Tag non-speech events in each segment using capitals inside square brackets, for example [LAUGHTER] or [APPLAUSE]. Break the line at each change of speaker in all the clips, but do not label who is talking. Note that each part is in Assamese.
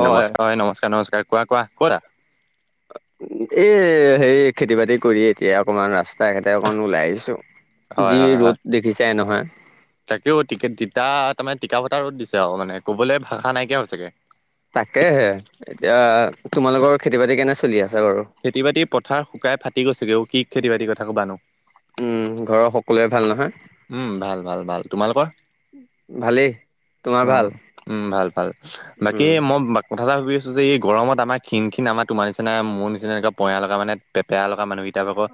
হয় হয় কোৱা কোৱা
নমস্কাৰ
ক'তা
এ সেই খেতি বাতি কৰি এতিয়া অকমান ৰাস্তা ঘাটে অকণ ওলাই আহিছো
হয়
যি
হয় হয়
ৰ'দ দেখিচাই নহয়।
তাকেও টিকেট তিতা তাৰমানে টিকা ফটা ৰদ দিছে আৰু মানে কবলৈ ভাষা নাইকিয়া হৈছেগে
তাকেহে এতিয়া তোমালোকৰ খেতি বাতি কেনে চলি আছে বাৰু।
খেতি বাতি পথাৰ শুকাই ফাটি গৈছেগে অহ কি খেতি বাতিৰ কথা ক'বানো
উম ঘৰৰ সকলোৱে ভাল নহয়।
উম ভাল ভাল ভাল তোমালোকৰ।
ভালেই তোমাৰ ভাল?
অহ উম ভাল ভাল বাকী
উম।
মই। কথা কথা এটা ভাবি আছো যে এই গৰম আমাৰ খিন খিন আমাৰ তোমাৰ নিচিনা মোৰ নিচিনা এনেকুৱা পঁয়া লগা মানে পেপেৰা লগা মানুহকেইটা কাৰোবাৰ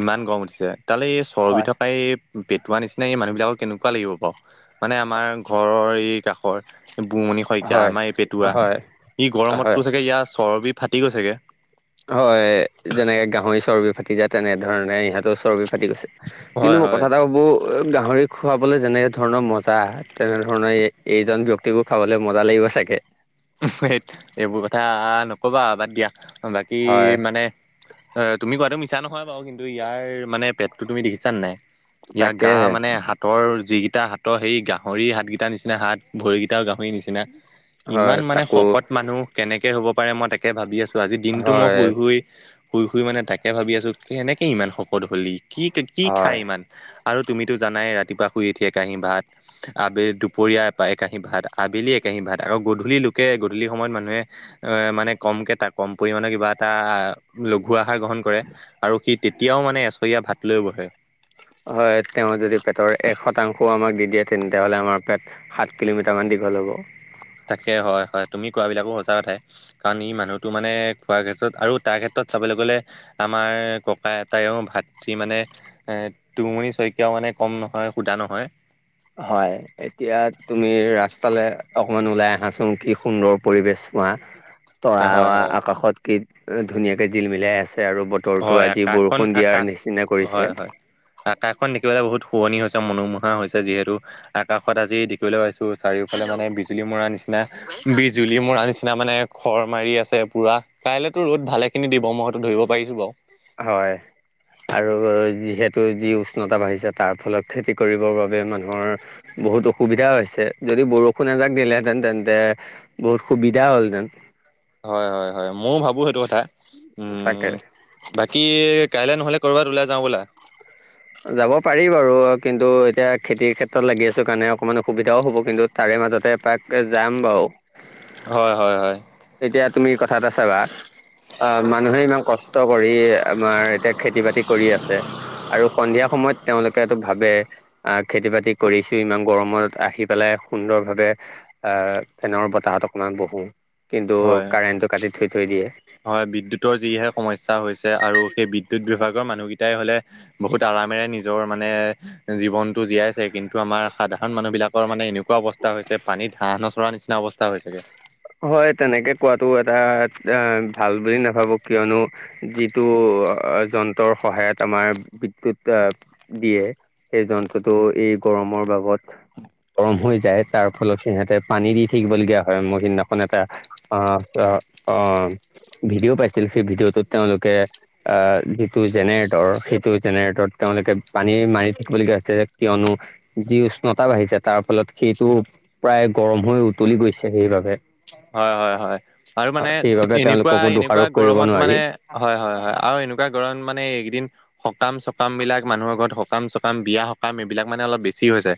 ইমান গৰম উঠিছে তালৈ এই চৰ্বি
হয়।
থকা এই পেটৈৱা নিচিনা মানুহ বিলাকৰ কেনেকুৱা লাগিব বাৰু মানে আমাৰ ঘৰৰ এই কাষৰ বমণি শইকীয়া
হয়,
আমাৰ এই পেটোৱা
হয়,
ই
হয়।
গৰমততো চাগে ইয়াৰ চৰ্বি ফাটি গৈছেগে।
হয় যেনেকে গাহৰি চৰ্বি ফাটি যায় তেনেধৰণে ইহঁতো চৰ্বি ফতি গৈছে
হয়
কিন্তু মই
হয়।
কথা এটা হব গাহৰি খুৱাবলৈ যেনে ধৰণৰ মজা তেনেধৰণৰ এই এইজন ব্যক্তিকো খাবলৈ মজা লাগিব চাগে
হুয হেত এইবোৰ কথা নক'বা বাদ দিয়া বাকী
হয়
মানে অহ তুমি কোৱাটো মিছা নহয় বাৰু কিন্তু ইয়াৰ মানে পেটটো তুমি দেখছানে নাই। ইয়াৰ গা
তাকেহে।
মানে হাতৰ যি টা হাতৰ সেই গাহৰি হাত কেইটা নিচিনা হাত ভৰিকেইটাও গাহৰি নিচিনা।
হয়
ইমান মানে
তাকো
শকত মানুহ কেনেকে হ'ব পাৰে মই তাকে ভাবি আছো আজি দিনটো মই
হয়
শুই শুই শুই শুই মানে তাকে ভাবি আছো কেনেকে ইমান শকত হ'লি কি কি
হয়
খায় ইমান আৰু তুমিতো জানাই ৰাতিপুৱা শুই উঠি একাহি ভাত আবেলি দুপৰীয়া একাহি ভাত আবেলি এক কি ভাত আৰু গ ধূলি লোকে গধূলি সময়ত মানুহে এ মানে কমকে ত কম পৰিমৰিমানৰ কিবা এটা লঘু আহাৰ গ্ৰহণ কৰে আৰু সি তেতিয়াও মানে এচৰীয়া ভাত লৈ বহে
হয় তেওঁ যদি পেটৰ এক শতাংশ আমাক দি দিয়ে তেতিয়া হলে হলে আমাৰ পেট সাত কিলোমিটাৰ মান দি ঘল হ'ব
তাকে হয় হয় তুমি কোৱাবিলাকো সচা উঠাই কাৰণ ই মানুহতটো মানে খোৱাৰ ক্ষেত্ৰত আৰু তাৰ ক্ষেত্ৰত চাবলৈ গলে আমাৰ ককা আইতাও ভাত মানে এ তুঙৰি শইকীয়াও মানে মানে কম নহয় সুধা নহয়
হয় এতিয়া তুমি ৰাস্তালৈ অকমান ওলাই আহাচোন কি সুন্দৰ পৰিবেশ তৰা
হয় হয়
আকাশত কি ধুনীয়াকৈ জিল মিলাই আছে আৰু বতৰটো
হয়
আজি
আকাশখন
বৰষুণ
আকাশ
দিয়াৰ নিচিনা
হয় হয়
কৰিছে
আকাশখন দেখিবলৈ বহুত শুৱনি হৈছে মনোমোহা হৈছে যিহেতু আকাশত আজি দেখিবলৈ পাইছো চাৰিওফালে হেল্ল মানে বিজুলী মৰাৰ নিচিনা নিচিনা বিজুলী মোৰ নিচিনা মানে খৰ মাৰি আছে পুৰা কাইলেতো ৰ'দ ভালে খিনি দিব মইতো ধৰিব পাইছো বাও
হয় আৰু যিহেতু যি উষ্ণতা বাঢ়িছে তাৰ ফলত খেতি কৰিবৰ বাবে মানুহৰ বহুত অসুবিধা হৈছে যদি বৰষুণ এজাক দিলেহেতেন তেন্তে বহুত সুবিধা হ'লহেতেন
হয় হয় হয় ময়ও ভাবো সেইটো কথা
তাকে
উম বাকী কাইলৈ নহ'লে কৰ'ৰবাত ওলাই যাওঁ ব'লা
যাব পাৰি বাৰু কিন্তু এতিয়া খেতিৰ ক্ষেত্ৰত লাগি আছো কাৰণে অকমান অসুবিধাও হ'ব কিন্তু তাৰে মাজতে এপাক যাম বাৰু
হয় হয় হয়
এতিয়া তুমি কথা এটা চাবা অ মানুহে ইমান কষ্ট কৰি আমাৰ এতিয়া খেতি বাতি কৰি আছে আৰু সন্ধিয়া সময়ত তেওঁলোকেটো ভাবে আহ খেতি বাতি কৰিছো ইমান গৰমত আহি পেলাই সুন্দৰ ভাৱে অহ ফেনৰ বতাহত অকমান বহো কিন্তু
হয়
কাৰেণ্টটো কাটি থৈ থৈ দিয়ে
হয় বিদ্যুতৰ যিহে সমস্যা হৈছে, আৰু সেই বিদ্যুত বিভাগৰ মানুহকেইটাই হলে বহুত আৰামেৰে নিজৰ মানে জীৱনতটো জীয়াই আছে কিন্তু আমাৰ সাধাৰণ মানুহ বিলাকৰ মানে এনেকো ৱা অৱস্থা হৈছে পানীত হাঁহ নচৰা নিচিনা অৱস্থা হৈছোগে
হয় তেনেকে কোৱাটো এটা এ ভাল বুলি নাভাবো কিয়নো যিটো যন্ত্ৰৰ সহায়ত আমাৰ বিদ্যুত দিয়ে সেই যন্ত্ৰটো গৰমৰ বাবত গৰম হৈ যায় তাৰ ফলত সিহঁতে পানী দি থাকিবলগীয়া হয় মই সিদিনা এখন এটা আহ অ ভিডিঅ' পাইছিল সেই ভিডিঅ'টোত তেওঁলোকে যিটো জেনেৰেটৰ সেইটো জেনেৰেটৰ তেওঁলোকে পানী মাৰি থাকিবলগীয়া হৈছে কিয়নো যি উষ্ণতা বাঢ়িছে তাৰ ফলত সেইটো প্ৰায় গৰম হৈ উতলি গৈছে সেইবাবে
হয় হয় হয় আৰু মানে
সেইবাবে
এনেকোৱা
তেওঁলোককো
এনেকোৱা
দোষাৰোপ কৰিব
গৰমত
নোৱাৰি
মানে হয় হয় হয় আৰু এনেকোৱা গৰমত মানে এইকেইদিন সকাম চকামবিলাক মানুহৰ ঘৰত সকাম চকাম বিয়া সকাম এইবিলাক মানে অলপ বেছি হৈছে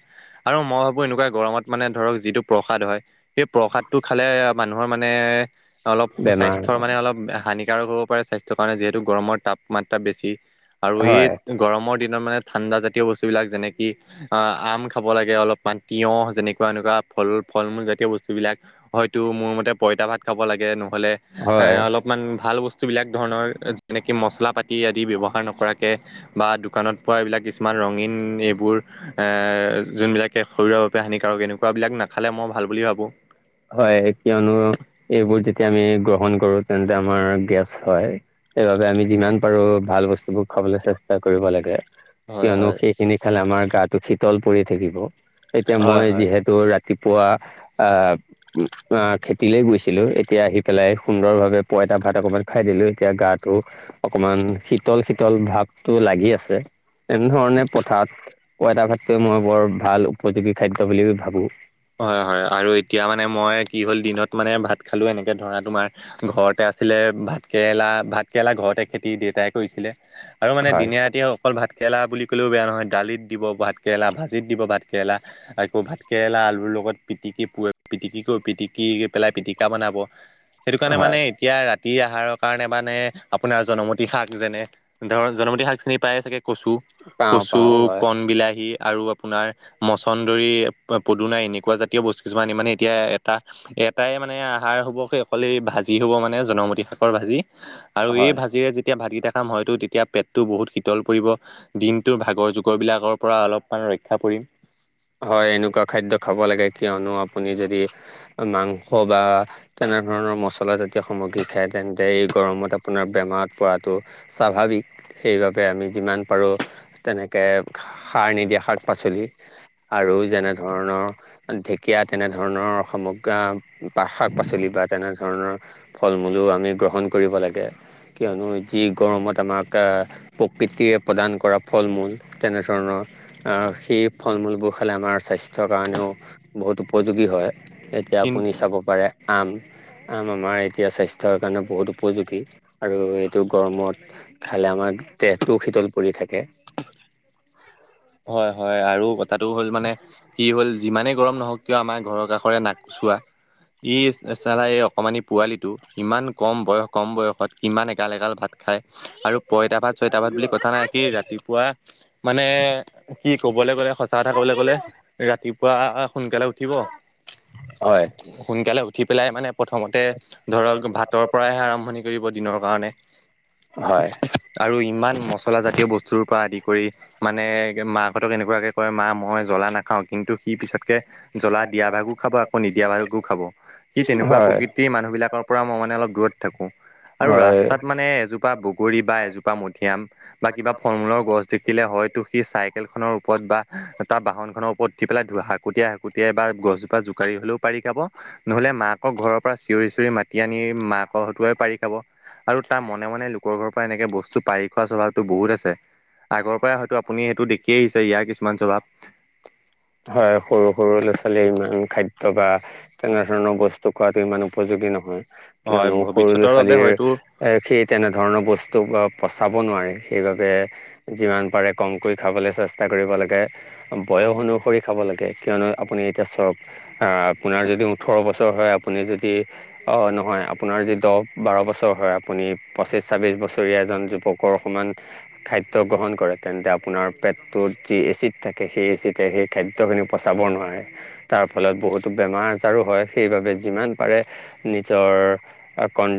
আৰু মই ভাবো এনেকোৱা গৰমত মানে ধৰক যিটো প্ৰসাদ হয় সেই প্ৰসাদটো খালে মানুহৰ মানে অলপ
বেমাৰ
স্বাস্থ্যৰ মানে অলপ হানিকাৰক হ'ব পাৰে স্বা সেইটো কাৰণে যিহেতু গৰমৰ তাপমাত্ৰা বেছি আৰু এই
হয়
গৰমৰ দিনত মানে ঠাণ্ডা জাতীয় বস্তুবিলাক যেনেকি অ আম খাব লাগে অলপমান তিয়হ যেনেকোৱা এনেকোৱা ফল ফল মূল জাতীয় বস্তুবিলাক হয়তো মোৰ মতে পইতা ভাত খাব লাগে নহলে এ
হয়
অলপমান ভাল বস্তু বস্তুবিলাক ধৰণৰ যেনকে মছলা পাতি আদি ব্যৱহাৰ নকৰাকে বা দোকানত পোৱা এইবিলাক কিছুমান ৰঙীন এইবোৰ যোনবিলাকে শৰীৰৰ বাবে হানিকাৰক এনেকুৱাবিলাক নাখালে মই ভাল ভাল বুলি ভাবোঁ
হয় কিয়নো এইবোৰ যেতিয়া আমি গ্ৰহণ কৰো তেন্তে আমাৰ গেছ হয় এইব আমি যিমান পাৰো ভাল বস্তুবোৰ খাবলৈ চেষ্টা কৰিব লাগে-
হয়
কিয়নো
হয়।
সেইখিনি খালে আমাৰ গাটো শিতল পৰি থাকিব এতিয়া
হয়
মই
হয়।
যিহেতু ৰাতি- ৰাতিপুৱা আহ- অ খেতিলে গৈছিলোঁ এতিয়া আহি পেলাই সুন্দৰ ভাৱে পইতা ভাত অকমান খাই দিলো এতিয়া গাত- টো অকমান শীতল শীতল ভাৱতটো লাগি আছে- এনেধৰণে পথাৰত পইতা ভাতটোৱে মই বৰ ভাল উপযোগী খাদ্য বুলি ভাবোঁ -
হয় হয় আৰু এতিয়া মানে মই কি হ'ল দিনত মানে ভাত খালোঁ এনেকে ধৰা তোমাৰ ঘৰতে- আছিলে ভাতকৰেলা ভাতকেৰেলা ঘৰতে খেতি দেউতাই কৰিছিলে- আৰু মানে
হয়
দিনে ৰাতি অকল ভাত কেৰেলা বুলি- কলেও বেয়া নহয় দালিত দিব ভাতকেৰেলা ভাজিত দিব ভাতকৰেলা আকৌ ভাতকেৰেলা আলু- আৰু লগত পিটিকি প পিটিকি কৰো পিটিকি পেলাই পিটিকা বনাব- সেইটো কাৰণে
হয়
মানে এতিয়া ৰা তি আহাৰৰ কাৰণে বাানে আপোনাৰ জনমতি শাক যেনে ধৰ জনমতী শাক চিনি পায় চাগে- কচু
পাওঁ
কচু
পাওঁ হয়
কণবলাহী আৰু আপোনাৰ মছন্দৰী- নাই এনেকুৱা জাতীয় বস্তু কিছুমান মানে এতিয়া এটা এটাই মানে আহাৰ হ'ব স অকলে ভাজি হ'ব- মানে জনমতি শাকৰ ভাজি আৰু এই
হয়।
ভাজিৰে যেতিয়া ভাতকেইটা- হয়তো তেতিয়া পেটতটো বহুত শীতল পৰিব দিনটোৰ ভাগৰ জগৰ বিলাকৰ পৰা অলপমান ৰক্ষা পৰিব- [INAUDIBLE]
হয় এনেকুৱা খাদ্য খাব লাগে কিয়নো আপুনি যদি মাংস বা তেনে- তেনে ধৰণৰ মছলাজাতীয় সামগ্ৰী খায় তেন্তে এই গৰমত আপোনাৰ বেমাৰত পৰাটো স্বাভাৱিক- সেইবাবে আমি যিমান পাৰোঁ তেনেকে সাৰ নিদিয়া শাক পাচলি- আৰু যেনে ধৰণৰ ঢেকীয়া তেনেধৰণৰ সমগ্ৰা- বা শাক পাচলি বা তেনেধৰণৰ ফল মূলো আমি গ্ৰহণ কৰিব লাগে- কিয়নো যি গৰমত আমাক প্ৰকৃতিৰে প্ৰদান কৰা ফল মূল তেনেধৰণৰ- আহ সেই ফল মূলবোৰ- খালে আমাৰ স্বাস্থ্যৰ কাৰণেও বহুত উপযোগী হয় এতিয়া আপুনি
কিন্তু
চাব পাৰে- আম- আম আমাৰ এতিয়া স্বাস্থ্যৰ কাৰণে বহুত উপযোগী আৰু এইটো গৰমত খালে আমাৰ- দেহটোও শীতল পৰি থাকে-
হয় হয় আৰু কথাটো হ'ল মানে কি হ'ল যিমানে- গৰম নহওক কিয় আমাৰ ঘৰৰ কাষৰে নাকচোৱা ইচ চালা এগ অকণমানি- [UNINTELLIGIBLE] পোৱালিটো ইমান কম বয়স কম বয়সত ইমান এগাল এগাল ভাত খায় আৰু- পইটা ভাত ছয়টা ভাত বুলি কথা নাই কি ৰাতিপুৱা মানে- কি ক'বলৈ গ'লে সঁচা কথা কবলৈ গ'লে ৰাতিপুৱা সোনকালে
হয়
উঠিব- সোনকালে উঠি- উঠি পেলাই মানে প্ৰথমতে ধৰক ভাতৰ পৰাইহে আৰম্ভণি কৰিব দিনৰ কাৰণে-
হয়
আৰু ইমান মচলা জাতীয় বস্তুৰ পৰা আদি কৰি মানে- মাহঁতক এনেকুৱাকে কয় মা মই জ্বলা নাখাওঁ- [UNINTELLIGIBLE] কিন্তু সি পিছতকে জ্বলা দিয়া ভাগো খাব আকৌ নিদিয়া ভাগো খাব- সি তেনেকুৱা
হয়
প্ৰকৃতিৰ মানুহ বিলাকৰ পৰা মই মানে অলপ দূৰত থাকোঁ - আৰু
হয়
ৰাস্তাত মানে এজোপা বগৰী বা এজোপা মধুৰিয়াম বা কিবা ফল মূলৰ গছ দেখিলে হয়- টো সি চাই- ওপৰত বা তাৰ বাহন খনৰ ওপৰত উ পেলাই ধ শাকুটিয়াই শাকুটিয়াই বা গছজোপা জোকাৰি হ'লেও পাৰি খাব- [UNINTELLIGIBLE] নহলে মাকক ঘৰৰ পৰা চিঞৰি চিঞৰি মাতি আনি মাক- হতুৱাই পাৰি খাব আৰু তাৰ মনে মনে লোকৰ ঘৰৰ পৰা এনেকে বস্তু পাৰি খোৱাৰ স্বভাৱতো বহুত আছে- আগৰ পৰা হয়তো আপুনি সেইটো দেখিয়ে আহিছে ইয়াৰ কিছুমান স্বভাৱ-
হয় সৰু সৰু ল'ৰা ছোৱালীয়ে ইমান খাদ্য বা তেনে ধৰণৰ বস্তু খোৱাতটো ইমান উপযোগী নহয়-
হয়
কিয়নো সৰু ল'ৰা
ভৱিষ্যতৰ বাবে
ছোৱালীৰ
হয়তো
এ সেই তেনেধৰণৰ বস্তু বা- পচাব নোৱাৰি সেইবাবে যিমান পাৰে কমকৈ খাবলৈ চেষ্টা কৰিব লাগে- বয়স অনুসৰি খাব লাগে- তে কিয়নো আপুনি চক আ আপোনাৰ যদি উঠৰ বছৰ হয় আপুনি যদি অ নহয় আপোনাৰ যি দহ বাৰ বছৰ হয় আপুনি পঁচিছ ছাব্বিছ বছৰীয়া এজন যুৱকৰ সমান খাদ খাদ্য গ্ৰহণ কৰে তেন্তে আপোনাৰ পেটটোত যি এচিড থাকে সেই এচিডে সেই খাদ্যখিনি পচাব নোৱাৰে। তাৰ ফলত বহুতো বেমাৰ আজাৰো হয় সেইবাবে যিমান পাৰে নিজৰ কন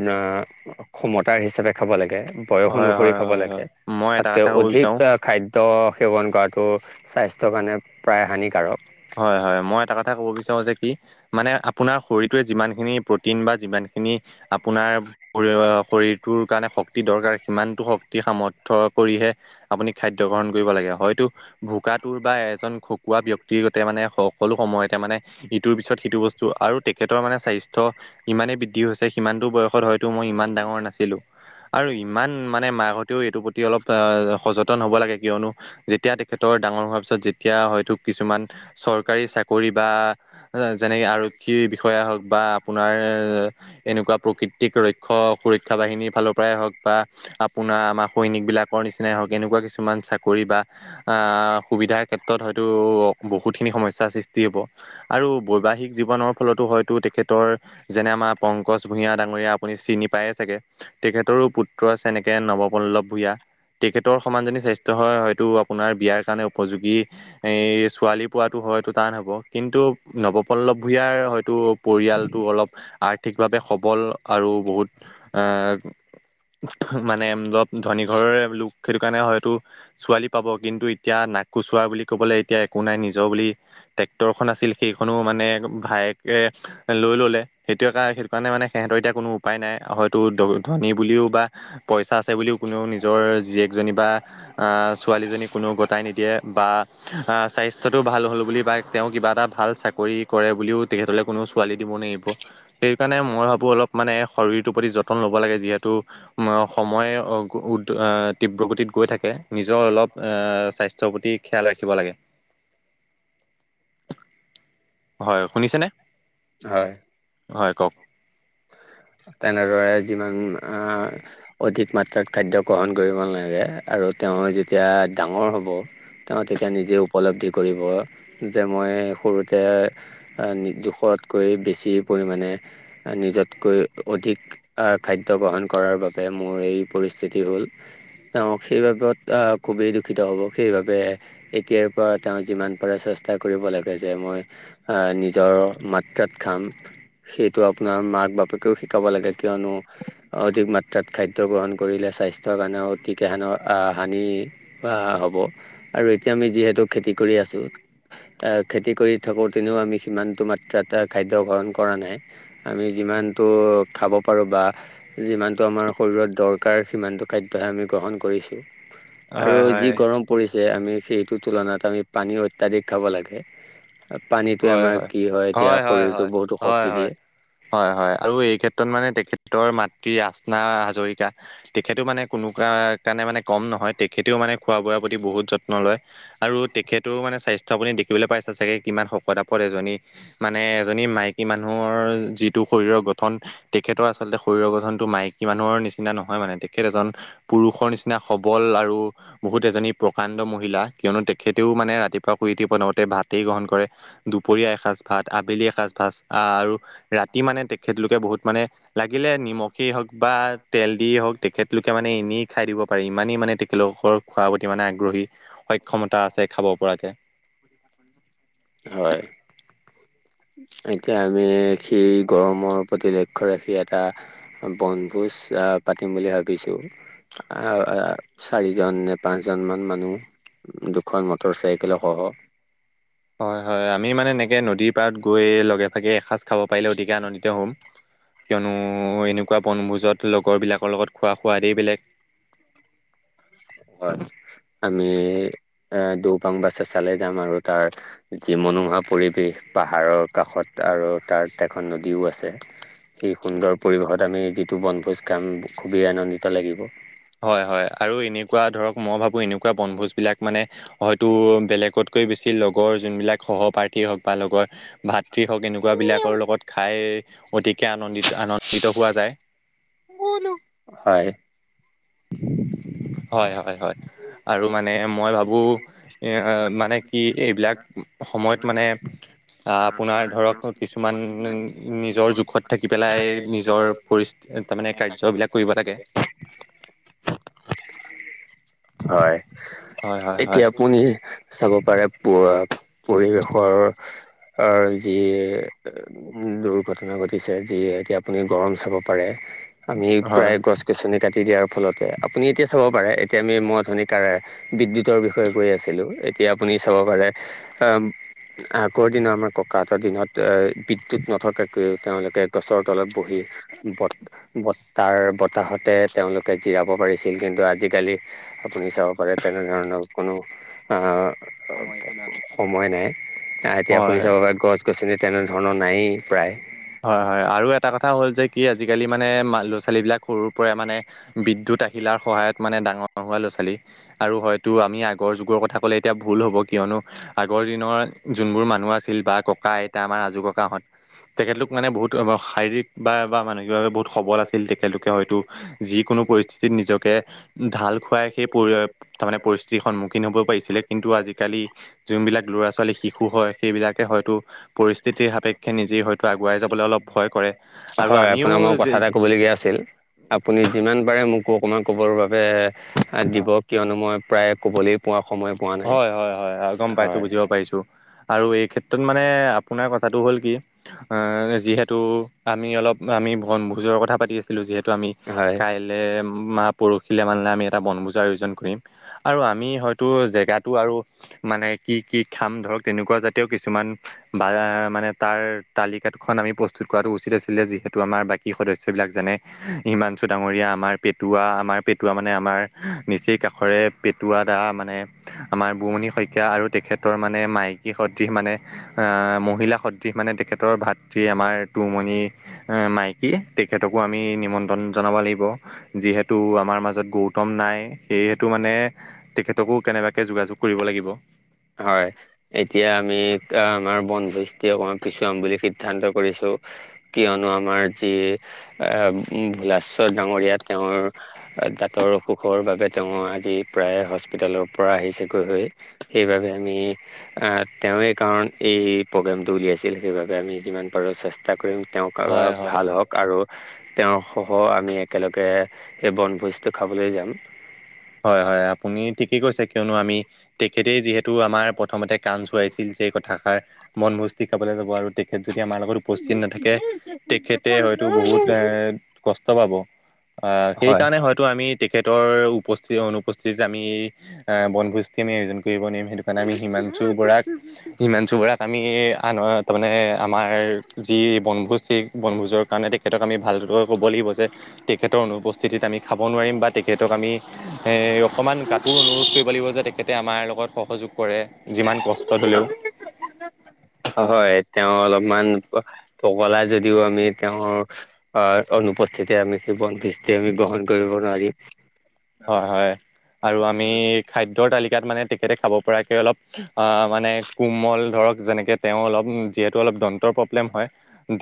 ক্ষমতাৰ হিচাপে খাব লাগে বয়স
হয়
অনুসৰি
হয়
খাব
হয়
লাগে।
হয়। মই এটা
তাতকৈ
কথা ক'ব
অধিক
বিচাৰো
খাদ্য সেৱন কৰাটো স্বাস্থ্যৰ কাৰণে প্ৰায় হানিকাৰক
হয় হয় মই এটা কথা ক'ব বিচাৰো যে কি মানে আপোনাৰ শৰীৰটোৱে যিমানখিনি প্ৰটিন বা যিমান খিনি আপোনাৰ শৰীৰটোৰ কাৰণে শক্তি দৰকাৰ সিমানটো শক্তি সামৰ্থ কৰি হে আপুনি খাদ্য গ্ৰহণ কৰিব লাগে হয়তো ভোকাটোৰ বা এজন খকুৱা ব্যক্ত- ক্তিগতে মানে সকলো সময়তে মানে ইটোৰ পিছত সিটো বস্তু আৰু তেখেতৰ মানে স্বাস্থ্য ইমান [UNINTELLIGIBLE] ইমানে বৃদ্ধি হৈছে সিমানটো বয়সত হয়তো মই ইমান ডাঙৰ নাছিলো। আৰু ইমান মানে মা হতেও এইটোৰ প্ৰতি অলপ সযেতন হব লাগে কিয়নো যেতিয়া তেখেতৰ ডাঙৰ হোৱাৰ পিছত যেতিয়া হয়তো কিছুমান চৰকাৰী চাকৰি বা যেনেকৈ আৰক্ষী বিষয়া হওক বা আপোনাৰ এনেকুৱা প্ৰকৃতিক ৰক্ষ সুৰক্ষা বাহিনীৰ ফালৰ পৰাই হওক বা আপোনাৰ আমাৰ সৈনিক বিলাকৰ নিচিনাই হওঁক এনেকুৱা কিছুমান চাকৰি বা সুবিধাৰ ক্ষেত্ৰত হয়- টো অ বহুতখিনি সমস্যাৰ সৃষ্টি হ'ব আৰু বৈবাহিক জীৱনৰ ফলতো হয়তো তেখেতৰ যেনে মা পংকজ ভূঞা ডাঙৰীয়া আপুনি চিনি পায়েই চাগে তেখেতৰো পুত্ৰ আছে এনেকে নৱপল্লভ ভূঞা তেখেতৰ সমান জনী স্বাস্থ্য হয় হয়তো আপোনাৰ বিয়াৰ কাৰণে উপযোগী। এই ছোৱালী পোৱাটো হয়তো টান হ'ব কিন্তু নৱপল্লৱ ভূঞাৰ হয়তো পৰিয়ালটো পল্লৱ আৰ্থিকভাৱে সবল আৰু বহুত এ মানে ধপ ধনী ঘৰৰে লোক সেইটো কাৰণে হয়তো ছোৱালী পাব কিন্তু এতিয়া না কুচুৰা বুলি ক'বলৈ এতিয়া একো নাই নিজৰ বুলি ট্ৰেক্টৰখন আছিল সেইখনো মানে ভায়েকে লৈ লৈ ললে সেইটোৱে সেইটো কাৰণে মানে সিহঁতৰ এতিয়া কোনো উপায় নাই হয়তো ধনী বুলিও বা পইচ- চা আছে বুলিও কোনেও নিজৰ জীয়েকজনী বা ছোৱালীজনী কোনেও গতাই নিদিয়ে বা অ স্বাস্থ্যটোও ভাল হ'ল বুলি বা তেওঁ কিবা এটা ভাল চাকৰি কৰে বুলিও তেখেতলে কোনো ছোৱালী দিব সেইকাৰণে মই ভাবো অলপ মানে শৰীৰটোৰ প্ৰতি যতন লব লাগে যিহেতু সময় তীব্ৰ গতিত গৈ থাকে নিজৰ অলপ স্বাস্থ্যৰ প্ৰতি খেয়াল ৰাখ- শিকিব লাগে। হয় শুনিছেনে হয়। কওক
তেনে ৰয়েত যিমান অধিক মাত্ৰাত খাদ্য গ্ৰহণ কৰিব নালাগে আৰু তেওঁ যেতিয়া ডাঙৰ হ'ব তেওঁ তেতিয়া নিজে উপলব্ধি কৰিব যে মই সৰুতে জোখৰ কৈ বেছি পৰিমাণে
[INAUDIBLE]
নিজতকৈ অধিক খাদ্য গ্ৰহণ কৰাৰ বাবে মোৰ এই পৰিস্থিতি হ'ল। তেওঁ সেইবাবত আহ খুবেই দুখিত হ'ব সেইবাবে এতিয়াৰ পৰা তেওঁ যিমান পাৰে চেষ্ট- ষ্টা কৰিব লাগে যে মই নিজৰ মাত্ৰাত খাম। সেইটো আপোনাৰ মাক বাপেকেও শিকাব লাগে কিয়নো অধিক মাত্ৰাত খাদ্য গ্ৰহণ কৰিলে চা- স্বাস্থ্যৰ কাৰণেও অতিকেহান হানি হ'ব আৰু এতিয়া আমি যিহেতু খেতি কৰ- কৰি আছোঁ খেতি কৰি থাকোঁ তেনেও আমি সিমানটো মাত্ৰাত এ খাদ্য গ্ৰহণ কৰা নাই। আমি যিমানটো খাব পাৰোঁ বা যিমানটো আমাৰ শৰীৰত দৰকাৰ সিমান- খাদ্যহে আমি গ্ৰহণ কৰিছোঁ আৰু
হয় হয়
যি গৰম পৰিছ- যে আমি সেইটো তুলনাত আমি পানী অত্যাধিক খাব লাগে। পানীটোৱে আমাৰ কি হয় এতিয়া
হয়
শৰীৰটো
হয়
বহুতো
হয়
শক্তি
হয় হয়
দিয়ে।
হয় আৰু এই ক্ষেত্ৰত মানে তেখেতৰ মাতৃ ৰাচনা হাজৰিকা তেখেতো মানে কোনো কা সেই কাৰণে মানে কম নহয় তেখেতেওঁ মানে খোৱা বোৱাৰ প্ৰতি বহুত যত্ন লয়। আৰু তেখেতৰওঁ মানে স্বাস্থ্য আপুনি। দেখিবলৈ পাইছা চাগে কিমান শকত আপদত এজনী মানে এজনী মাইকী মানুহৰ যিটো। শৰীৰৰ গঠন তেখেতৰ আচলতে শৰীৰৰ গঠনটো মাইকী মানুহৰ নিচিনা নহয় মানে তেখেত এজন। পুৰুষৰ নিচিনা সবল আৰু বহুত এজনী। প্ৰকাণ্ড মহিলা কিয়নো তেখেতেওঁ মানে ৰাতিপুৱা শুই উঠি প্ৰথওঁতে ভাতেই গ্ৰহণ কৰে দুপৰীয়া এসাঁজ। ভাত আবেলি এসাঁজ ভাত আৰু ৰাতি। ৰাতি মানে তেখেতলোকে বহুত মানে লাগিলে নিমখেই হওঁক বা তেল দিয়েই হওঁক তেখেতলোকে মানে। এনেই খাই দিব পাৰি ইমানে ইমানে মানে তেখেতলোকৰ খোৱাৰ প্ৰতি মানে আগ্ৰহী সক্ষমতা আছে খাব পৰাকে।
হয় এতিয়া আমি। সেই গৰমৰ প্ৰতি লক্ষ্য ৰাখি এটা বনভোজ পাতিম বুলি ভাবিছোঁ। আহ চাৰিজন নে পাঁচ জন মান মানুহ। উম দুখন মটৰ চাইকেলসহ।
হয় হয় আমি মানে এনেকে নদীৰ পাৰত গৈ লগে ভাগে এসাঁজ। খাব পাৰিলে অতিকে আনন্দিত হ'ম। কিয়নো এনেকুৱা বনভোজত লগৰবিলাকৰ লগত খোৱা সোৱাদেই বেলেগ। [UNINTELLIGIBLE] [INAUDIBLE]
হয় আমি এ দৌপাং বাছে চালে যাম আৰু তাৰ যি মন। [UNINTELLIGIBLE] নোহোৱা পৰিৱেশ পাহাৰৰ কাষত আৰু তাত এখন নদীওঁ আছে। সেই সুন্দৰ পৰিৱেশত আমি যিটো বনভোজ কাম খুবেই আনন্দিত লাগিব।
হয় হয় আৰু এনেকুৱা ধৰক মই ভাবোঁ এনেকুৱা বনভোজবিলাক মানে হয়তো বেলেগতকৈ বেছি লগৰ যোনবিলাক সহপাঠী। সেই হওঁক বা লগৰ। ভাতৃ হওঁক এনেকুৱাবিলাকৰ লগত খাই। অতিকে আনন্দিত আনন্দিত পোৱা যায়। [UNINTELLIGIBLE] [INAUDIBLE]
হয়।
[UNINTELLIGIBLE] [INAUDIBLE] হয় হয় হয় আৰু মানে মই ভাবোঁ মানে কি এইবিলাক। সময়ত মানে। আহ আপোনাৰ ধৰক কিছুমান নিজৰ জোখত থাকি পেলাই নিজৰ পৰিচয়। তাৰ মানে কাৰ্যবিলাক কৰিব লাগে।
হয়।
হয় হয় হয়
এতিয়া আপুনি চাব পাৰে প পৰিৱেশৰ। অ যি দুৰ্ঘটনা ঘটিছে যি এতিয়া আপুনি গৰম চাব পাৰে। আমি
হয়
প্ৰায় গছ গছনি। কাটি দিয়াৰ ফলতে আপুনি এতিয়া চাব পাৰে এতিয়া আমি মই অথনি কাৰে বিদ্যুৎ। বিদ্যুত বিষয়ে কৈ আছিলোঁ এতিয়া আপুনি চাব পাৰে। আগৰ দিনা আমাৰ ককাহঁতৰ দিনত এ বিদ্যুত নথকাকৈ তেওঁলোকে গছৰ তলত বহি। ব বতাৰ বতাহতে তেওঁলোকে জিৰাব পাৰিছিল কিন্তু আজিকালি। আপুনি চাব পাৰে তেনেধৰণৰ। সময় নাই এতিয়া আপুনি
হয়
চাব পাৰে গছ। গছ গছনি তেনেধৰণৰ নায়েই প্ৰায়।
হয় হয় আৰু এটা কথা হ'ল যে কি আজিকালি মানে ল'ৰা ছোৱালী বিলাক সৰুৰ পৰা মানে বিদ্যুৎ। আহিলাৰ সহায়ত ডাঙৰ হোৱা ল'ৰা ছোৱালী আৰু হয় আগৰ যুগৰ কথা কলে এতিয়া ভুল হ'ব । কিয়নো আগৰ দিনৰ যোনবোৰ মানুহ আছিল বা ককা আইতা আমাৰ আজু ককাহত। তেখেতলোক মানে বহুত শাৰীৰিক বা বা মানসিকভাৱে বহুত সবল আছিল তেখেতলোকে হয়তো যিকোনো। পৰিস্থিতিত নিজকে ঢাল খুৱাই সেই পৰি তাৰমানে পৰিস্থিতিৰ সন্মুখীন হ'ব পাৰিছিলে কিন্তু আজিকালি। আজিকালি যোনবিলাক ল'ৰা ছোৱালী শিশু হয় সেইবিলাকে হয়তো পৰিস্থিতিৰ সাপেক্ষে নিজেই । ত আগুৱাই যাবলৈ অলপ ভয় কৰে আৰু
হয়
আমিও।
আপোনাক মই কথা এটা ক'বলগীয়া আছিল। আপুনি যিমান পাৰে। মোকো অকণমান ক'বৰ বাবে দিব কিয়নো মই প্ৰায় ক'বলৈই পোৱা। সময় পোৱা নাই।
হয় হয় হয় হয় গম পাইছোঁ বুজিব পাৰিছোঁ। আৰু এই ক্ষেত্ৰত মানে আপোনাৰ কথাটো হ'ল কি যিহেতু আমি অলপ আমি বনভোজৰ কথা পাতি আছিলোঁ যিহেতু আমি
হয়
কাইলে ম পৰহিলে মানহে আমি এটা বনভোজা আয়োজন কৰিম আৰু আমি হয়তো তাটো আৰু মানে কি কি খাম ধৰক তেনেকুৱা জাতীয় কিছুমান বা মানে তাৰ তালিকা প্ৰস্তুত কৰাতো উচিত আছিলে যিহেতু আমাৰ বাকী সদস্যা বিলাক হিমাংচু ডাঙৰ ঙীয়া আমাৰ পেটোৱা আমাৰ পেটোৱা মানে আমাৰ নিচেই কাষৰে পেটোৱা দা মানে আমাৰ বমণি শইকীয়া আৰু তেখেতৰ মানে মাইকী সদৃশ মানে আহ মহিলা সদৃশ মানে তেখেতৰ ভাতৃ আমাৰ টুমণি মাইকী তেখেতকো আমি নিমন্ত্ৰণ জনাব গণিব যিহেতু আমাৰ মাজত গৌতম নাই সেয়েতো মানে তেখেতকো যোগাযোগ কৰিব লাগিব
হয় এতিয়া আমি আমাৰ বনভুজটি অকমান পিছুৱাম বুলি সিদ্ধান্ত কৰিছো কিয়নো আমাৰ যি এ ভোলেশ্বৰ ডাঙৰীয়া তেওঁৰ দাঁতৰ অসুখৰ বাবে তেওঁ আজি প্ৰায় হস্পিতালৰ পৰা আহিছেগৈ হৈ সেইবাবে আমি তেওঁৱে কাৰণ এই প্ৰগ্ৰেমটো উলিয়াইছিল সেইবাবে আমি যিমান পাৰোঁ চেষ্টা কৰিম তেওঁক
হয় হয়
ভাল
হয়
হওক আৰু তেওঁৰসহ আমি একেলগে সেই বনভোজটো খাবলৈ যাম।
হয় হয় আপুনি ঠিকেই কৈছে কিয়নো আমি তেখেতে যিহেতু আমাৰ প্ৰথমতে কাণ চুৱাইছিল যে এই কথাষাৰ বনভোজতি খাবলৈ যাব আৰু তেখেত যদি আমাৰ লগত উপস্থিত নাথাকে তেখেতে হয়তো বহুত এ কষ্ট পাব আহ
হয়।
সেইকাৰণে হয়তো আমি তেখেতৰ উপ অনুপস্থিত আমি বনভোজটি আমি আয়োজন কৰিব নোৱাৰিম সেইটো কাৰণে আমি হিমাংশু বৰাক হিমাংশু বড়াক আমি আনৰ তাৰ মানে আমাৰ যি বনভোজ সেই বনভোজৰ কাৰণে তেখেত তেখেতক আমি ভালদৰে ক'ব লাগিব যে তেখেতৰ অনুপস্থিতিত আমি খাব নোৱাৰিম বা তেখেতক আমি অকণমান কাটোৰ অনুৰোধ কৰিব লাগিব যে তেখেতে আমাৰ লগত সহযোগ কৰে যিমান কষ্টত হ'লেও
ইমান পগলা যদিও আমি তেওঁৰ অ অনুপস্থিতি আমি সেই বনভূজতি আমি গ্ৰহণ কৰিব নোৱাৰিম
হয় হয় আৰু আমি খাদ্যৰ তালিকাত মানে তেখেতে খাব পৰাকে অলপ অ মানে কোমল ধৰক যেনেকে তেওঁ অলপ যিহেতু অলপ দাঁতৰ প্ৰব্লেম হয়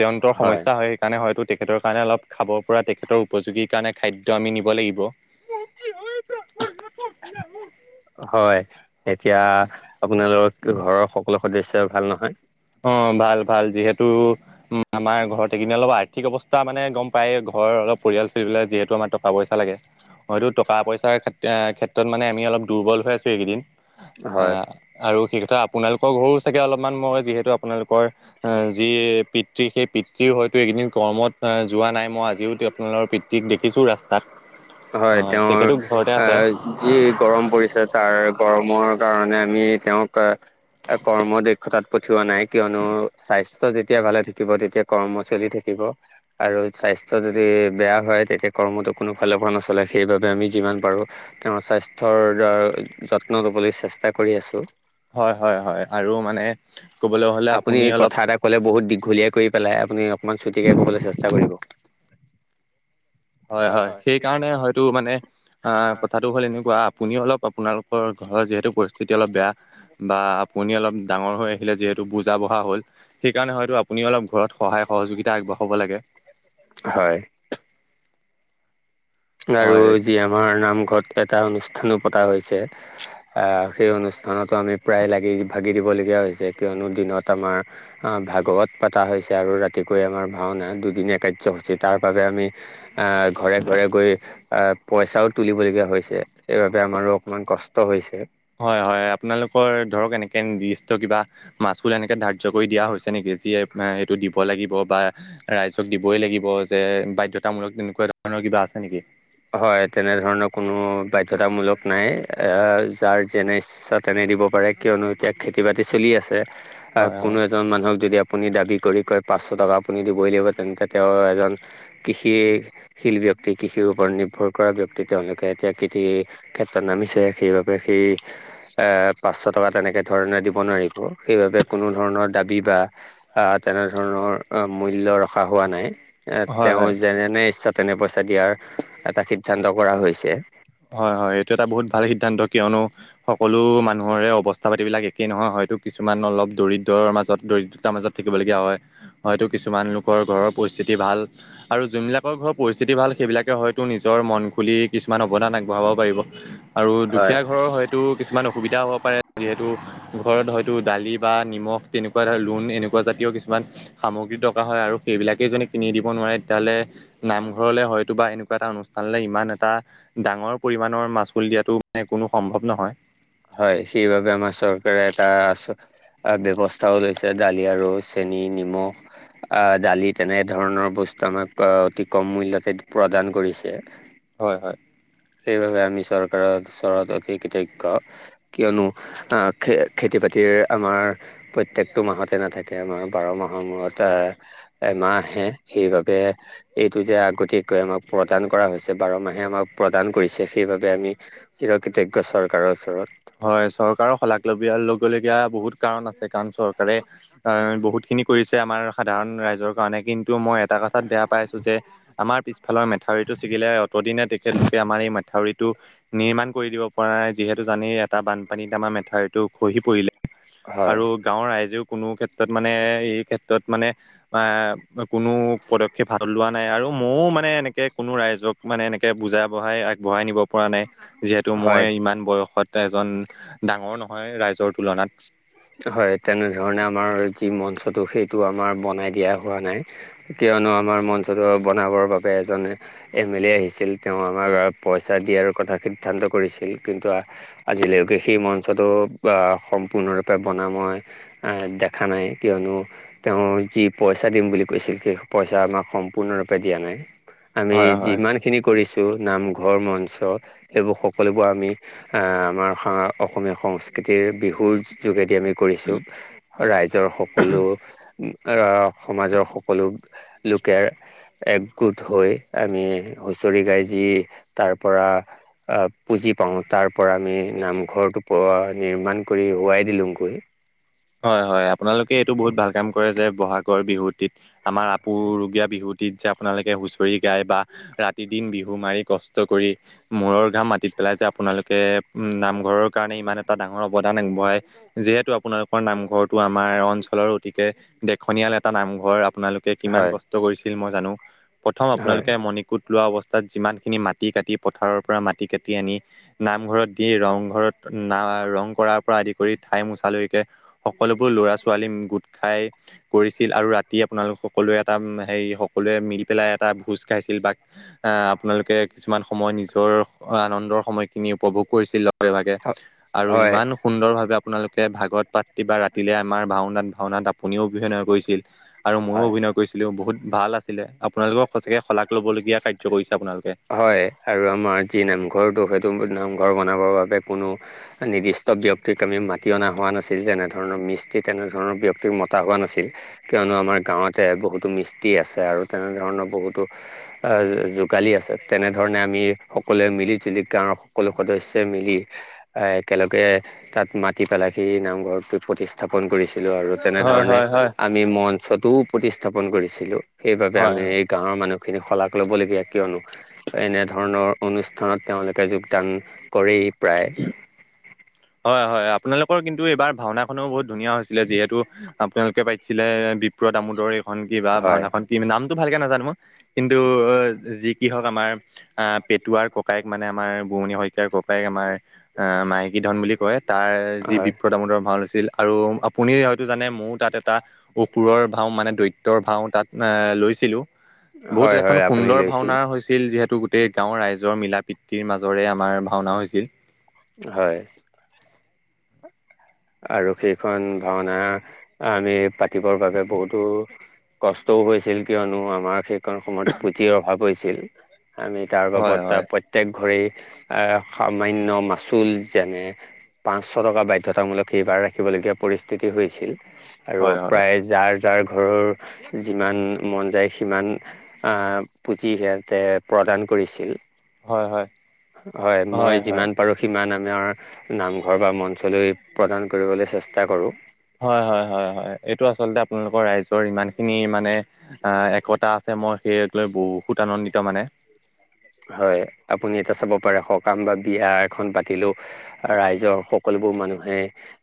দেন্তৰ সমস্যা হয় সেই কাৰণে হয়তো তেখেতৰ কাৰণে অলপ খাব পৰা ক্ষেত্ৰ উপযোগীৰ কাৰণে খাদ্য আমি নিব লাগিব।
[UNINTELLIGIBLE] হয় এতিয়া আপোনালোকৰ ঘৰৰ সকলো সদস্য ভাল নহয়?
অ ভাল ভাল যিহেতু আমাৰ ঘৰতে এইকেইদিন অলপ আ আৰ্থিক অৱস্থা মানে গম পাই ঘৰৰ অলপ পৰিয়াল চলিবলে যিহেতু আমাৰ টকা পইচা লাগে। হয়তো টকা পইচাৰ ক্ষেত্ৰত মানে আমি অলপ দুৰ্বল হৈ আছো এইকেইদিন। অ
হয়
আৰু সেই কথা আপোনালোকৰ ঘৰো চাগে অলপমান মই যিহেতু লোকৰ যি পিতৃ সেই পিতৃ হয়তো এইকেদিন কৰ্মত যোৱা নাই মই আজিও আপোনালোকৰ পিতৃক দেখিছোঁ ৰাস্তাত। অ
হয় তেওঁৰ
তেখেতো ঘৰতে আছে
আহ যি গৰম পৰিছে তাৰ গৰমৰ কাৰণে আমি তেওঁক কৰ্ম দক্ষতাত পঠিওৱা নাই। কিয়নো স্বাস্থ্য যেতিয়া ভালে থাকিব তেতিয়া। কৰ্ম চলি থাকিব আৰু স্বাস্থ্য যদি বেয়া হয় তেতিয়া কৰ্মতো কোনো ফালৰ পৰা নচলে। সেইবাবে আমি যিমান পাৰোঁ তেওঁৰ স্বাস্থ্যৰ দ্বাৰা যত্ন ল'বলৈ চেষ্টা কৰি আছোঁ।
হয় হয় হয় আৰু মানে ক'বলৈ হ'লে আপুনি অলপ
কথা এটা ক'লে বহুত দীঘলীয়া কৰি পেলাই আপুনি অকমান ছুটিকে কবলৈ চেষ্টা কৰিব
হয় হয় সেই কাৰণে হয়তো মানে অ কথাটো হ'ল এনেকুৱা আপুনিও অলপ আপোনালোকৰ ঘৰৰ যিহেতু পৰিস্থিতি অলপ বেয়া বা আপুনি অলপ ডাঙৰ হৈ আহিলে যিহেতু বুজা বঢ়া হ'ল সেইকাৰণে হয়তো আপুনি অলপ ঘৰত সহায় সহযোগিতা আগবঢ়াব লাগে
হয় আৰু
হয়
যি আমাৰ নামঘৰত এটা অনুষ্ঠানো পতা হৈছে সেই অনুষ্ঠানতো আমি প্ৰায় লাগি ভাগি দিবলগীয়া হৈছে কিয়নো দিনত আমাৰ ভাগৱত পতা হৈছে আৰু ৰাতিকৈ আমাৰ ভাওনা দুদিনীয়া কাৰ্যসূচী তাৰ বাবে আমি [UNINTELLIGIBLE] ঘৰে ঘৰে গৈ আহ পইচাও তুলিবলগীয়া হৈছে সেইবাবে আমাৰো অকনমান কষ্ট হৈছে
হয় হয় আপোনালোকৰ ধৰক এনেকে নিৰ্দিষ্ট কিবা মাছুল এনেকে ধাৰ্য কৰি দিয়া হৈছে নেকি বিয়ে এইটো দিব লাগিব বা ৰাইজক দিবই লাগিব যে বাধ্যতামূলক তেনেকুৱা ধৰণৰ কিবা আছে নেকি?
হয় তেনেধৰণৰ কোনো বাধ্যতামূলক নাই এ যাৰ যেনে ইচ্ছা তেনে দিব পাৰে কিয়নো এতিয়া খেতি বাতি চলি আছে
হয় হয়
কোনো এজন মানুহ এতিয়া আপুনি দাবী কৰি কয় পাঁচশ টকা আপুনি দিবই লাগিব তেন্তে তেওঁ এজন কৃষি শিল্পী ব্যক্তি কৃষিৰূপ ওপৰত নিৰ্ভৰ কৰা ব্যক্তি তেওঁলোকে এতিয়া কৃষিৰ ক্ষেত্ৰত নামিছে সেইবাবে সেই পাঁচশ টকা তেনেকে ধৰণে দিব নোৱাৰিব সেই বাবে কোনো ধৰণৰ দাবী বা আ তেনে ধৰণৰ ধৰণৰ মূল্য ৰখা হোৱা নাই এ
হয়
তেওঁ
হয়
যেনেনে ইচ্ছা তেনে পইচা দিয়াৰ এটা সিদ্ধান্ত কৰা হৈছে
হয় হয় এইটো এটা বহুত ভাল সিদ্ধান্ত কিয়নো সকলো মানুহৰে অৱস্থা পাতিবলাক একেই নহয় হয় হয়তটো কিছুমান অলপ দৰিদ্ৰৰ মাজত দৰিদ্ৰতাৰ মাজত থাকিবলগীয়া হয় হয়তো কিছুমান লোকৰ ঘৰৰ পৰিস্থিতি ভাল আৰু যোনবিলাকৰ ঘৰৰ পৰিস্থিতি ভাল সেইবিলাকে হয়তো নিজৰ মন খুলি কিছুমান অৱদান আগবঢ়াব পাৰিব আৰু
হয়
দুখীয়া ঘৰৰ হয়তো কিছুমান অসুবিধা হ'ব পাৰে যিহেতু ঘৰত হয়তো দালি বা নিমখ তেনেকুৱা ধ [UNINTELLIGIBLE] লোন এনেকুৱা জাতীয় কিছুমান সামগ্ৰী দকাৰ হয় আৰু সেইবিলাকেই যনে কিনি দিব নোৱাৰে তেতিয়াহ'লে নামঘৰলে হয়তো বা এনেকুৱা এটা অনুষ্ঠান ল [UNINTELLIGIBLE] ইমান এটা ডাঙৰ পৰিমণৰ মাচুল দিয়াটো মানে কোনো সম্ভৱ নহয়
চকাৰ এটা আচ ব্যৱস্থাও লৈছে দালি আৰু ৰ চেনি নিমখ আহ দালি তেনে ধৰণৰ বস্তু আমাক অতি কম মূল্যতে প্ৰদান কৰিছে
হয় হয়
সেইবাবে আমি চৰকাৰৰ ওচৰত অতি কৃতজ্ঞ কিয়নো আহ খ খেতি খেতি বাতি আমাৰ প্ৰত্যেকটো মাহতে নাথাকে আমাৰ বাৰ মাহৰ মূৰত এমাহ আহে সেইবাবে এইটো যে আগতকৈ আমাক প্ৰদান কৰা হৈছে বাৰ মাহে আমাক প্ৰদান কৰিছে সেইবাবে আমি চিৰকৃতজ্ঞ চৰকাৰৰ ওচৰত
হয় চৰকাৰৰ শলাগ লবিয়াৰ লগবলগীয়া বহুত কাৰণ আছে কাৰণ চৰকাৰে আহ বহুত খিনি কৰিছে আমাৰ সাধাৰণ ৰাইজৰ কাৰণে কিন্তু মই এটা কথাত বেয়া পাইছো যে আমাৰ পিছফালৰ মেথাউৰিটো ছিগিলে অতদিনে তেখেতলোকে আমাৰ এই মেথাউৰিত টো নিৰ্মাণ কৰি দিব পৰা নাই যিহেতু জানেই এটা বানপানীত আমাৰ মেথাউৰীটো খহি পৰিলে [UNINTELLIGIBLE]
হয়
আৰু গাঁৱৰ ৰাইজেও কোনো ক্ষেত্ৰত মানে এই ক্ষেত্ৰত মানে কোনো পদক্ষেপ হাত লোৱা নাই আৰু ময়ো মানে এনেকে কোনো ৰাইজক মানে এনেকে বুজা বঢ়াই আগবঢ়াই নিব পৰা নাই যিহেতু মই
হয়
ইমান বয়সত এজন ডাঙৰ নহয় ৰাইজৰ তুলনাত
হয় তেনেধৰণে আমাৰ যি মঞ্চ তো সেইটো আমাৰ বনাই দিয়া হোৱা নাই কিয়নো আমাৰ মঞ্চটো বনাবৰ বাবে এজন এম এল এ আহিছিল তেওঁ আমাক পইচা দিয় আৰু কথা সিদ্ধান্ত কৰিছিল কিন্তুজি কে সেই মঞ্চটো সম্পূৰ্ণৰ বনা মই দেখা নাই কিয়নো তেওঁ যি পইচা দিম বুলি কৈছিল সেই [UNINTELLIGIBLE] পইচা আমাক সম্পূৰ্ণৰূপে দিয়া নাই আমি
হয় হয়
যিমানখিনি কৰিছো নামঘৰ মঞ্চ সেইবোৰ সকলোবোৰ আমি আমাৰ অসমৰ সংস্কৃতি তিৰ বিহুৰ যোগেদি আমি কৰিছো ৰাইজৰ সকলো সমাজৰ সকলো লোকে একগোট হৈ আমি হুচৰি গাই যি তাৰ পৰা পুজি পাওঁ তাৰ পৰা আমি নামঘৰটো অ নিৰ্মাণ কৰি ওৱাই দিলোংগৈ
হয় হয় আপোনালোকে এইটো বহুত ভাল কাম কৰে যে বহাগৰ বিহুটিত আমাৰ আপুৰুগীয়া বিহুটিত যে আপোনালোকে হুচৰি গাই বা ৰাতি দিন বিহু মাৰি কষ্ট কৰি মূৰৰ ঘাম মাটিত পেলাই যে আপোনালোকে উম নামঘৰৰ কাৰণে ইমান এটা ডাঙৰ অৱদান আগবঢ়াই যিহেতু আপোনালোক নামঘৰটো আমাৰ অঞ্চলৰ অতিকে দেখনিয়াল এটা নামঘৰ আপোনালোকে কিমান
হয়
কষ্ট কৰিছে ছিল মই জানো প্ৰথম
হয়
আপোনালোকে মণিকূট লোৱা অৱস্থাত যিমানখিনি মাটি কাটি পথাৰৰ পৰা মাটি কাটি আনি নামঘৰত দি ৰংঘৰত না ৰং কৰাৰ পৰা আদি কৰি ঠাই মোচালৈ কে সকলোবোৰ ল'ৰা ছোৱালী গোট খাই কৰিছিল আৰু ৰাতি আপোনালোক সকলোৱে এটা এম এই সকলোৱে মিল পেলাই এটা ভোজ খাইছিল বা আহ আপোনালোকে কিছুমান সময় নিজৰ আনন্দৰ সময়খিনি উপভোগ কৰিছিল লগে ভাগে আৰু
হয়
ইমান সুন্দৰভাৱে আপোনালোকে ভাগত পাতি বা ৰাতিলেলৈ আমাৰ ভাওনাত ভাওনাত আপুনিও অভিনয় কৰিছিল আৰু ময়ো
হয়
অভিনয় কৰিছিলোঁ বহুত ভাল আছিলে আপোনালোকক সঁচাকে শলাগ লবলগীয়া কাৰ্য কৰিছে আপোনালোকে
হয় আৰু আমাৰ যি নাম ঘৰটো স টো নামঘৰ বনাবৰ বাবে কোনো নিৰ্দিষ্ট ব্যক্তিক আমি মাতি অনা হোৱা নাছিল যেনেধৰণৰ মিস্ত্ৰী তেনেধৰণৰ ব্যক্তিক মতা হোৱা নাছিল কিয়নো আমাৰ গাঁৱতে বহুতো মিস্ত্ৰী আছে আৰু তেনে তেনে ধৰণৰ বহুতো
উ
আ যি যোগালি আছে তেনেধৰণে আমি সকলোৱে মিলি জুলি গাঁৱৰ সকলো সদস্যই মিলি আহ একেলগে তাত মাতি পেলা সি নামঘৰটো প্ৰতিস্থাপন কৰিছে ছিলো আৰু
হয়
তেনেধৰণে
হয় হয়
আমি মঞ্চতোও প্ৰতিস্থাপন কৰিছিলো সেইবাবে
হয়
আমি এই গাঁৱৰ মানুহ খিনি শলাগ ল'বলগীয়া কিয়নো এনেধৰণৰ অনুষ্ঠানত তেওঁলোকে যোগদান কৰেই প্ৰায়
হয় হয় আপোনালোকৰ কিন্তু এইবাৰ ভাওনাখনো বহুত ধুনীয়া হৈছিলে যিহেতু আপোনালোকে পাতিছিলে দামোদৰ এইখন কি বা
হয়
ভওনাখন কি নামটো ভালকে নাজানো মই কিন্তু যি কি হওক আমাৰ আ পেটুৱাৰ ককায়েক মানে আমাৰ বোৱণি শইকীয়াৰ ক কায়েক আমাৰ আহ মাইকী ধন বুলি কয় তাৰ যি
হয়
বিপ্ৰদ দামোদৰ ভা ও লৈছিল আৰু আপুনি হয়তো জানে মৌ তাত এটা অসুৰৰ ভাও মানে দৈত তৰ ভাও তাত লৈছিলো বহুত
হয়
এখন
হয় আপুনি
সুন্দৰ
লৈছিল
ভাওনা হৈছিল যিহে টো গোটেই গাঁওৰ ৰাইজৰ মিলা প্ৰীতিৰ মাজৰে আমাৰ ভাওনা হৈছিল
হয়
[INAUDIBLE]
আৰু সেইখন ভাওনা আমি পাতিবৰ বাবে বহুতো কষ্টও হৈছিল কিয়নো আমাৰ সে কাৰণ সময়ত পুঁজিৰ অভাৱ হৈছিল আমি তাৰ
হয়
বাবদ তাৰ
হয়
প্ৰত্যেক ঘৰেই এ সামান্য মাচুল যেনে পাঁচশ টকা বাধ্যতামূলক সেই বাৰ ৰাখিবলগীয়া পৰিস্থিতি হৈছিল আৰু
হয় হয়
প্ৰায় যাৰ যাৰ ঘৰৰ যিমান মন যায় সিমান আ পুঁজি সিহঁতে প্ৰদান কৰিছিল
হয় হয়
হয় মই যিমান পাৰো সিমান আমাৰ নামঘৰ বা মঞ্চলৈ প্ৰদান কৰিবলৈ চেষ্টা কৰোঁ
হয় হয় হয় হয় এইটো আচলতে আপোনালোকৰ ৰাইজৰ ইমান খিনি মানে আ একতা আছে মই সেইয়ক লৈ বহুত আনন্দিত মানে।
হয় আপুনি এটা চাব পাৰে সকাম বা বিয়া এখন পাতিলেও ৰাইজৰ সকলো বোৰ মানুহে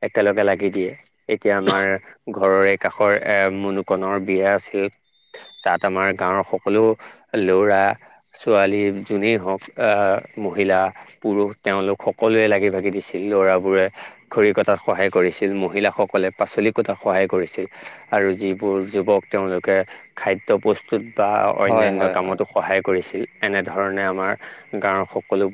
একেলগে লাগি দিয়ে এতিয়া আমাৰ ঘৰৰে কাষৰে এ মুণু ক নৰ বিয়া আছিল তাত আমাৰ গাঁৱৰ সকলো লৰা ছোৱালী যোনেই হওক আ মহিলা পুৰুষ তেওঁলোক সকলোৱে লাগি ভাগি দিছিল ল'ৰাবোৰে খৰি কটাত সহায় কৰিছিল মহিলাসকলে পাচলি কটাত সহায় কৰিছিল আৰু যিবোৰ যুৱক তেওঁলোকে খাদ্য প্ৰস্তুত বা
হয়
অন্যান্য
হয় হয়
কামতো সহায় কৰিছিল এনেধৰণে আমাৰ গাঁৱৰ সকলোবোৰ